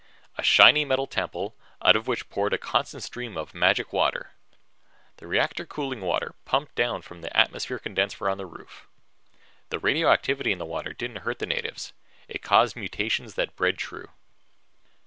A shiny metal temple out of which poured a constant stream of magic water the reactor cooling water pumped down from the atmosphere condenser on the roof. The radioactivity in the water didn't hurt the natives. It caused mutations that bred true.